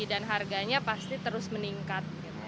dan harganya pasti terus meningkat